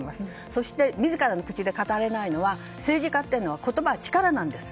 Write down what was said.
そして、自らの口で語れないのは政治家というのは言葉は力なんです。